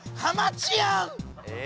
え？